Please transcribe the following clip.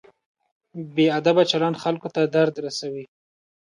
بې ادبه چلند خلکو ته درد رسوي.